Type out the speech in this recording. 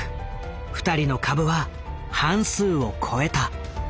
２人の株は半数を超えた。